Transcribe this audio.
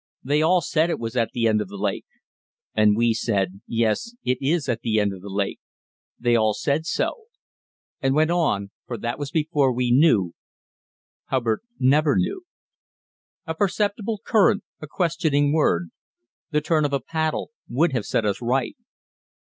They all said it was at the end of the lake." And we said, "Yes, it is at the end of the lake; they all said so," and went on, for that was before we knew Hubbard never knew. A perceptible current, a questioning word, the turn of a paddle would have set us right.